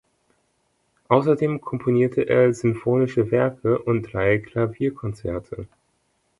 Außerdem komponierte er sinfonische Werke und drei Klavierkonzerte.